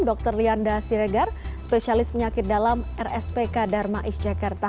dr lianda siregar spesialis penyakit dalam rspk darmais jakarta